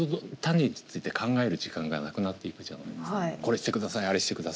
そうすると「これして下さいあれして下さい」。